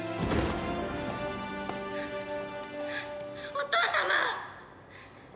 お父様！